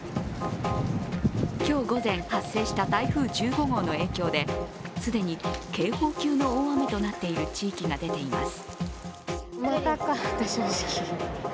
今日午前、発生した台風１５号の影響で既に警報級の大雨となっている地域が出ています。